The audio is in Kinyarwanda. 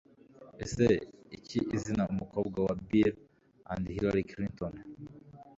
Ese iki izina umukobwa wa Bill & Hillary Clinton